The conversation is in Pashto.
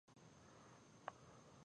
سترګې د لیدلو حس لري